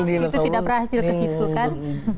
itu tidak berhasil ke situ kan